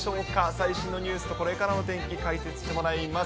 最新のニュースとこれからの天気、解説してもらいます。